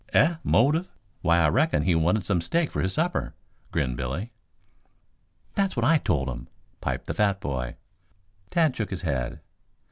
"Eh? Motive? Why, I reckon he wanted some steak for his supper," grinned Billy. "That's what I told him," piped the fat boy. Tad shook his head.